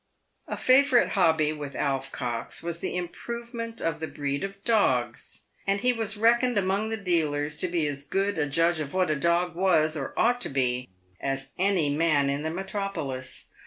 A favourite hobby with Alf Cox was the improvement of the breed of dogs, and he was reckoned among the dealers to be as good a judge of what a dog was, or ought to be, as any man in the metro polis.